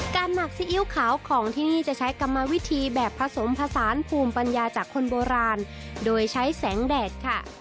หมักซีอิ๊วขาวของที่นี่จะใช้กรรมวิธีแบบผสมผสานภูมิปัญญาจากคนโบราณโดยใช้แสงแดดค่ะ